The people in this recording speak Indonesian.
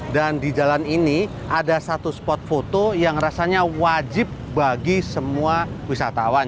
dan di jalan ini ada satu spot foto yang rasanya wajib bagi semua wisatawan